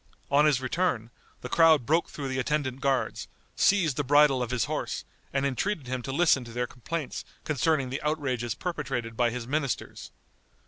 On his return the crowd broke through the attendant guards, seized the bridle of his horse, and entreated him to listen to their complaints concerning the outrages perpetrated by his ministers.